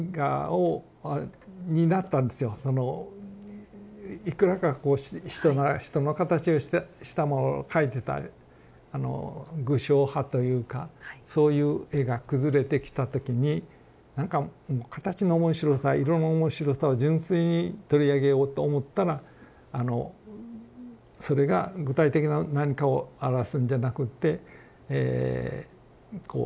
あのいくらかこう人の形をしたものを描いてたあの具象派というかそういう絵が崩れてきた時になんかもう形の面白さ色の面白さを純粋に取り上げようと思ったらそれが具体的な何かをあらわすんじゃなくってえこう